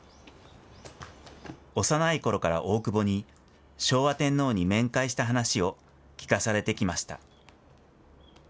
幼いころから大久保に、昭和天皇に面会した話を聞かされてきました。